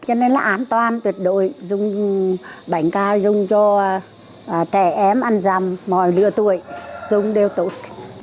cho nên là an toàn tuyệt đội dùng bánh cà dùng cho trẻ em ăn rằm mọi lửa tuổi dùng đều tốt